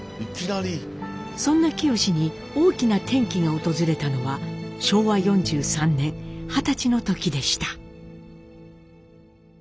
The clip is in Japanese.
そんな清に大きな転機が訪れたのは昭和４３年二十歳の時でした。